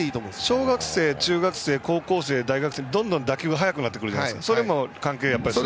小学生、中学生高校生、大学生どんどん打球が速くなるのでそれも関係ありますか。